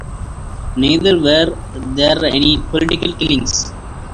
Neither were there any political killings.